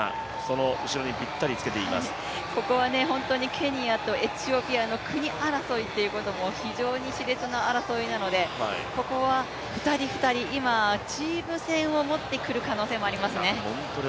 ケニアとエチオピアの国争いということも非常にしれつな争いなので２人、２人、今、チーム戦を持ってくる可能性もありますね。